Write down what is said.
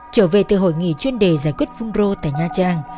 trở về từ hội nghị chuyên đề giải quyết phun rô tại nha trang